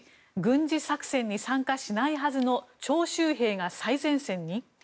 １軍事作戦に参加しないはずの徴集兵が最前線に？